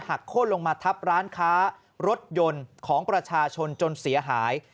โค้นลงมาทับร้านค้ารถยนต์ของประชาชนจนเสียหาย